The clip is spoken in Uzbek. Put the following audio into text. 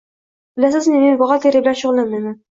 Bilasizmi, men buxgalteriya bilan shugʻullanmayman